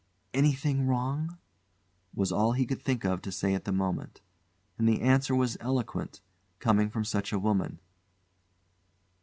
"Anything wrong?" was all he could think of to say at the moment. And the answer was eloquent, coming from such a woman.